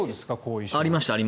ありました。